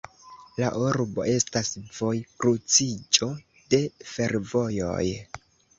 La urbo estas vojkruciĝo de fervojoj.